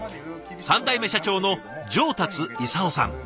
３代目社長の上達功さん。